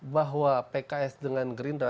bahwa pks dengan gerindra